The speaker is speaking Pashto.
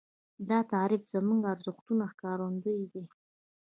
دا تعریف زموږ د ارزښتونو ښکارندوی دی.